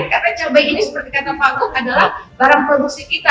karena cabai ini seperti kata pak om adalah barang produksi kita